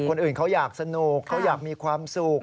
คนอื่นเขาอยากสนุกเขาอยากมีความสุข